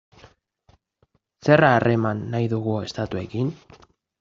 Zer harreman nahi dugu estatuekin?